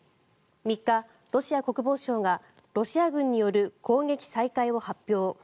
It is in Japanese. ３日、ロシア国防省がロシア軍による攻撃再開を発表。